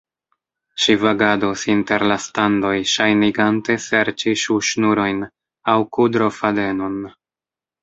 Ŝi vagados inter la standoj, ŝajnigante serĉi ŝuŝnurojn, aŭ kudrofadenon.